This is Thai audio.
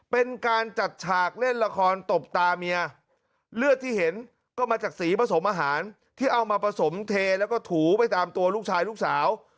เป็นการจัดฉากเล่นละครตบตาเมียเลือดที่เห็นก็มาจากสีผสมอาหารที่เอามาผสมเทแล้วก็ถูไปตามตัวลูกชายลูกสาว